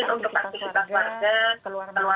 jadi tentu untuk aktivitas keluarga